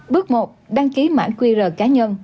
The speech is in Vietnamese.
bước một đăng ký mã qr cá nhân